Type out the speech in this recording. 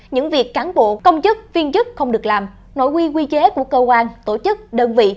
những việc cán bộ công chức viên chức không được làm nội quy quy chế của cơ quan tổ chức đơn vị